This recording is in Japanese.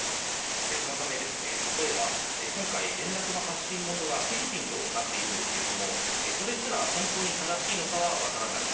そのため例えば今回、連絡の発信元がフィリピンとなっているんですがそれすら本当に正しいのかは分からない。